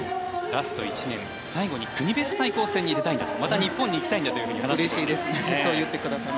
ラスト１年最後に国別対抗戦に出たいんだとまた日本に行きたいんだと話していました。